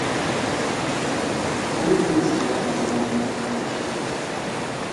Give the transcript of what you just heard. The climate and soil has allowed them to flourish here.